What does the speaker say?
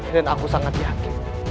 dan aku sangat yakin